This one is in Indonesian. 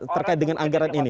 terkait dengan anggaran ini